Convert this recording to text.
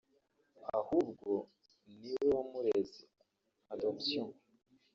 ahubwo ni we wamureze [adoption]